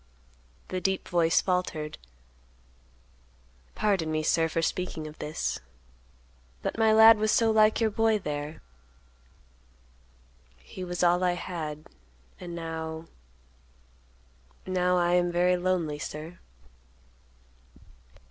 The deep voice faltered. "Pardon me, sir, for speaking of this, but my lad was so like your boy there. He was all I had, and now—now—I am very lonely, sir."